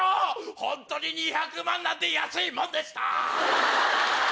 本当に２００万なんて安いもんでした！